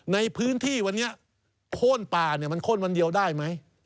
ในพื้นที่วันนี้โค้นป่าเนี่ยมันโค้นวันเดียวได้ไหม